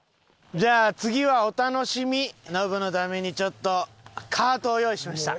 じゃあ次はお楽しみノブのためにちょっとカートを用意しました。